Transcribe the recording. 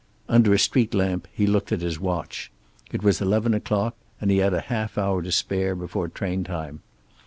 Under a street lamp he looked at his watch. It was eleven o'clock, and he had a half hour to spare before train time.